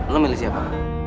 lo milih siapa